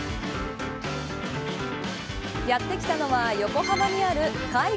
やってきたのは、横浜にある買い